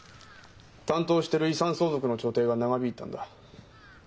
担当してる遺産相続の調停が長引いたんだ。